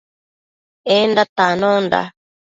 Enda tanonda